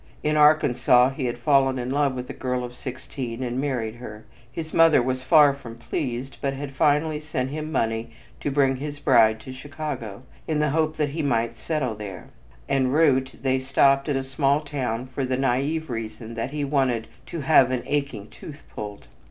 In Arkansas he had fallen in love with a girl of sixteen and married her. His mother was far from pleased, but had finally sent him money to bring his bride to Chicago, in the hope that he might settle there. En route they stopped at a small town for the naïve reason that he wanted to have an aching tooth pulled.